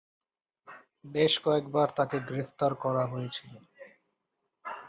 বেশ কয়েকবার তাকে গ্রেফতার করা হয়েছিল।